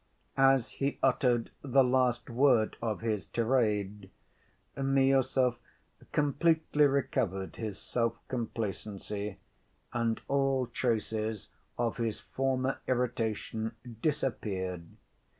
As he uttered the last word of his tirade, Miüsov completely recovered his self‐complacency, and all traces of his former irritation disappeared.